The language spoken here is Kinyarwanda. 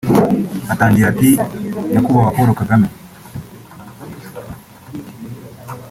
Atangira ati “Nyakubahwa Paul Kagame